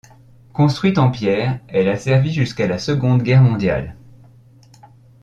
Construite en pierre, elle a servi jusqu'à la Seconde Guerre mondiale.